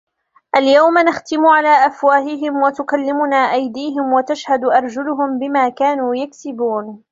اليَومَ نَختِمُ عَلى أَفواهِهِم وَتُكَلِّمُنا أَيديهِم وَتَشهَدُ أَرجُلُهُم بِما كانوا يَكسِبونَ